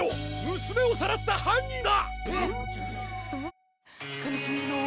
娘をさらった犯人だ！